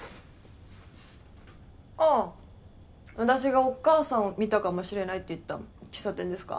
私がお母さんを見たかもしれないと言った喫茶店ですか？